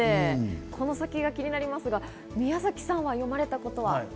この先が気になりますが、宮崎さんは読まれたことは？